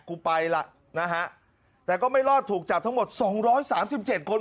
ไปล่ะนะฮะแต่ก็ไม่รอดถูกจับทั้งหมดสองร้อยสามสิบเจ็ดคน